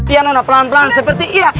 iya nona pelan pelan seperti iya